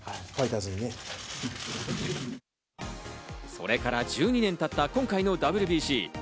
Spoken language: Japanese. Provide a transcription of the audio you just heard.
それから１２年経った今回のＷＢＣ。